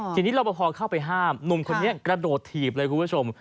ทีนี้รอบพอเข้าไปห้ามหนุ่มคนนี้กระโดดถีบเลยคุณผู้ชม